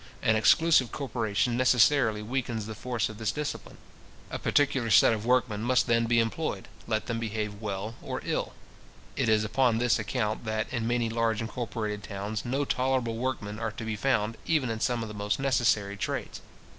An exclusive corporation necessarily weakens the force of this discipline. A particular set of workmen must then be employed, let them behave well or ill. It is upon this account that, in many large incorporated towns, no tolerable workmen are to be found, even in some of the most necessary trades.